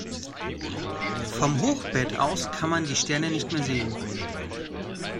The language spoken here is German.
Vom Hochbett aus kann man die Sterne nicht mehr sehen.